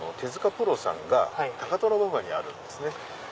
プロさんが高田馬場にあるんですね。